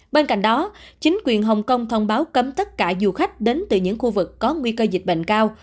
bên cạnh đó chính quyền hồng kông thông báo cấm tất cả du khách đến từ những khu vực có nguy cơ dịch bệnh cao